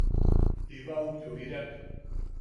Jiba ujyoireak.